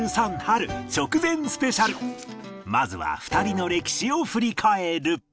まずは２人の歴史を振り返る